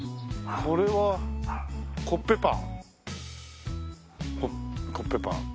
ここはコッペパン？